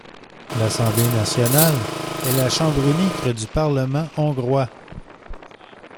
L'Assemblée nationale est la chambre unique du Parlement hongrois.